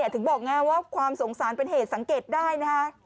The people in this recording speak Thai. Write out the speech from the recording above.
ถึงบอกไงว่าความสงสารเป็นเหตุสังเกตได้นะฮะ